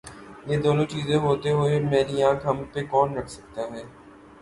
یہ دونوں چیزیں ہوتے ہوئے میلی آنکھ ہم پہ کون رکھ سکتاہے؟